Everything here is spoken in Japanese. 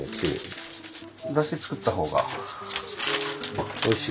だし作った方がおいしい。